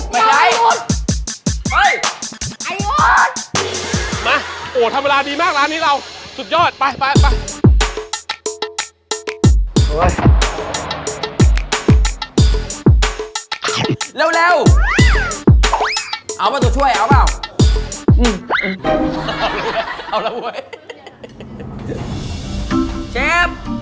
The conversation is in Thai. มันมีรูปราศน์ให้โซ่ก็ไปเลย๓แชม